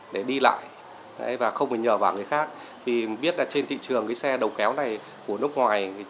để đi lại và không phải nhờ vào người khác thì biết là trên thị trường cái xe đầu kéo này của nước ngoài